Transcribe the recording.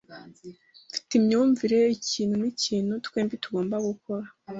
Mfite imyumvire iki nikintu twembi tugomba gukora .